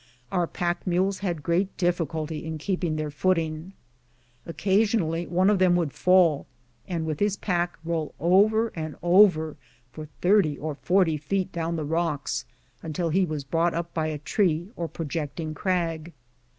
Our pack mules had great difficulty in keeping their footing. Occasionally one of them would fall, and, with his pack, roll over and over for thirty or forty feet down the rocks, until he was brought up by a tree or projecting crag.